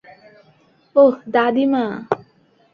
ওহ, দাদীমা!